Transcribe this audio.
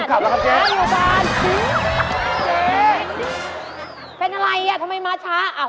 มาถึงวันนี้อยากเหยียงแม้แต่คำเดียว